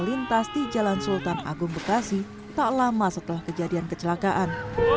lintas di jalan sultan agung bekasi tak lama setelah kejadian kecelakaan